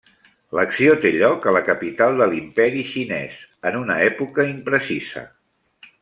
L'acció té lloc a la capital de l'Imperi Xinès, en una època imprecisa.